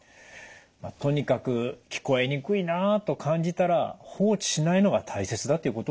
とにかく聞こえにくいなと感じたら放置しないのが大切だということですね。